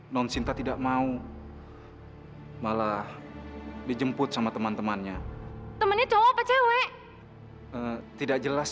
noncinta tidak mau malah dijemput sama teman temannya temennya cowok cewek tidak jelas